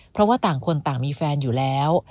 เพราะว่าต่างคนต่างมีแฟนอยู่แล้ว